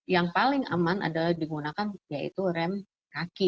yang paling aman adalah menggunakan rem kaki atau engine brake